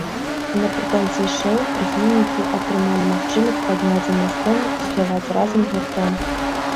А напрыканцы шоў прыхільнікі атрымалі магчымасць падняцца на сцэну і спяваць разам з гуртом.